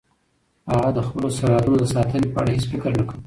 هغه د خپلو سرحدونو د ساتنې په اړه هیڅ فکر نه کاوه.